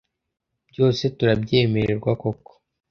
byose turabyemererwa koko